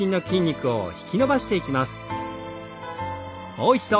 もう一度。